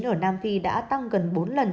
ở nam phi đã tăng gần bốn lần